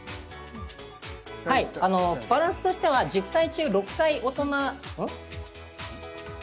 はいバランスとしては１０回中６回大人うん？